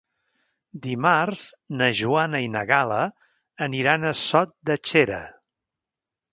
Dimarts na Joana i na Gal·la aniran a Sot de Xera.